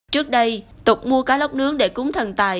trước đây tục mua cá lóc nướng để cúng thần tài